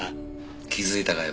気づいたかい？